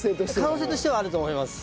可能性としてはあると思います。